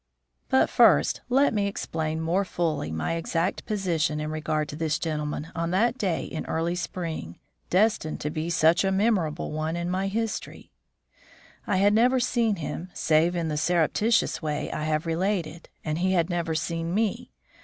But first let me explain more fully my exact position in regard to this gentleman on that day in early spring, destined to be such a memorable one in my history. I had never seen him, save in the surreptitious way I have related, and he had never seen me.